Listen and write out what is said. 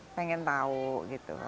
pengen tahu gitu